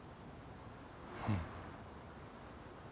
うん。